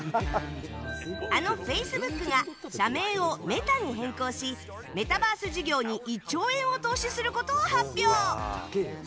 あのフェイスブックが社名をメタに変更しメタバース事業に１兆円を投資することを発表。